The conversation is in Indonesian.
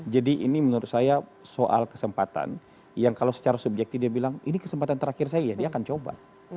jadi ini menurut saya soal kesempatan yang kalau secara subjekti dia bilang ini kesempatan terakhir saya ya dia akan coba